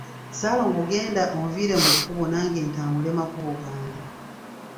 Ssaalongo genda onviire mu kkubo nange ntambule makubo gange.